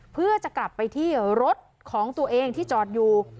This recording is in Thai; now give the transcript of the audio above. เพื่อจะกลับไปที่รถของตัวเองที่จอดอยู่